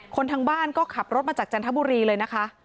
ทางบ้านก็ขับรถมาจากจันทบุรีเลยนะคะ